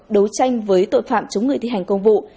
đấu tranh với tội phạm chống người thi hành công vụ